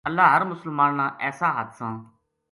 اللہ ہر مسلمان نا ایسا حادثاں